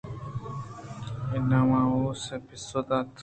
اِناںمومس ءَپسو دات